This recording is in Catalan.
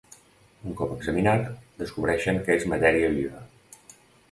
Un cop examinat, descobreixen que és matèria viva.